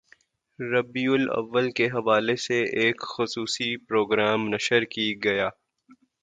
ربیع الاوّل کے حوالے سے ایک خصوصی پروگرام نشر کی گیا